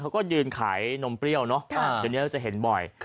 เขาก็ยืนขายนมเปรี้ยวเนอะวันนี้ก็จะเห็นบ่อย